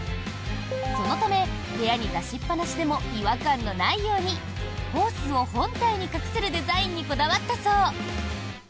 そのため部屋に出しっぱなしでも違和感のないようにホースを本体に隠せるデザインにこだわったそう。